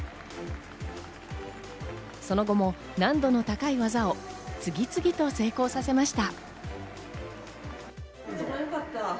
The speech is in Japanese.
その後も難度の高い技を次々と成功させました。